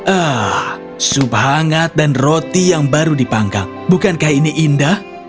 ah sup hangat dan roti yang baru dipanggang bukankah ini indah